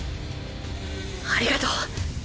ありがとう。